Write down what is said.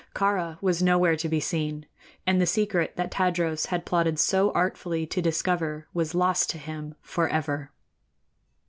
Kāra was nowhere to be seen, and the secret that Tadros had plotted so artfully to discover was lost to him forever.